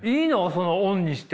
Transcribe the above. そのオンにして。